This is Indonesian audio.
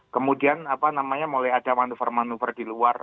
kemudian apa namanya mulai ada manuver manuver di luar